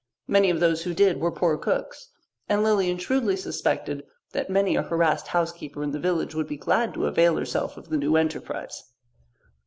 Many of those who did were poor cooks, and Lilian shrewdly suspected that many a harassed housekeeper in the village would be glad to avail herself of the new enterprise.